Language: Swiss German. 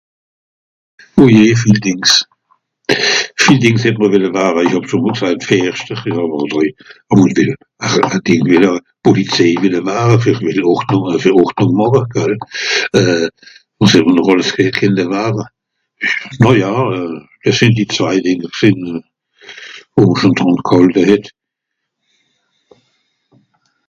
ojé viel dìngs viel dìngs hett mr welle ware isch hàb schòn mòl gsaijt (verschter) awer ..... polizei welle ware ver à bìssle ordnùng ver ordnùng màche gal euh (ùn ver nòr àlles kennte) ware no ja des sìnd die zwai dìnge gsìn ò schon ... g'àlte het